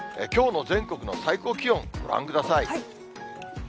きょうの全国の最高気温、ご覧ください。